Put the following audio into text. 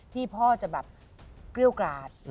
พ่อจะแบบเกรี้ยวกราด